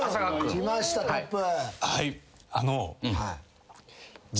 きましたトップ。